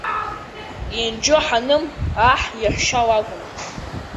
Енџьы-Ҳаным аҳ иаҳәшьа лакәын.